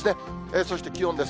そして気温です。